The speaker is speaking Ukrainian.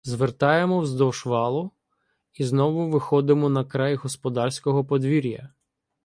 Звертаємо вздовж валу і знову виходимо на край господарського подвір'я.